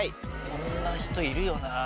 こんな人いるよなぁ。